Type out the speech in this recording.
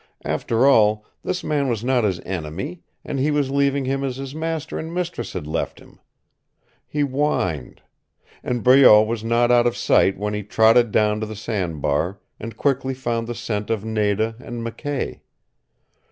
After all, this man was not his enemy, and he was leaving him as his master and mistress had left him. He whined. And Breault was not out of sight when he trotted down to the sandbar, and quickly found the scent of Nada and McKay.